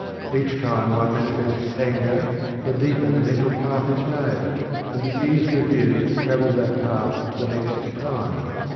Each time one manifests anger, the deeper the mental path is made, and the easier it is to travel that path the next time.